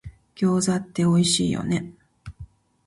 餃子っておいしいよね